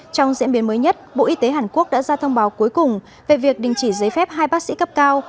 trong diễn biến mới nhất bộ y tế hàn quốc đã ra thông báo cuối cùng về việc đình chỉ giấy phép hai bác sĩ cấp cao